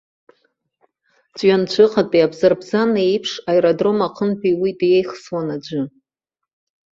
Ҵәҩанҵәыҟатәи абзарбзан еиԥш аеродром аҟынтәи уи деихсуан аӡәы.